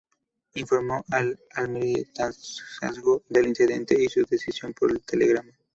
Informó al Almirantazgo del incidente y su decisión por telegrama.